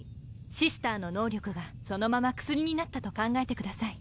シスターの能力がそのまま薬になったと考えてください。